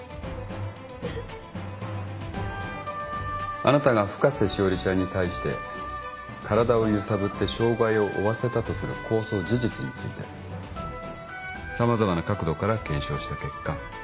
あなたが深瀬詩織ちゃんに対して体を揺さぶって傷害を負わせたとする公訴事実について様々な角度から検証した結果